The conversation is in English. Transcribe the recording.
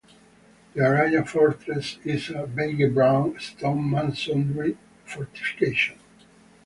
The Araya Fortress is a beige-brown stone masonry fortification.